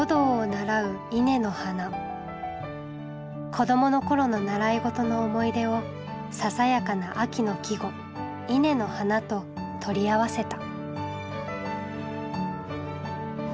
子どもの頃の習い事の思い出をささやかな秋の季語「稲の花」と取り合わせた。